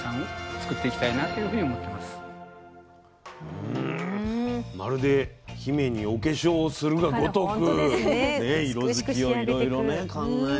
うんまるで姫にお化粧をするがごとく色づきをいろいろ考えて。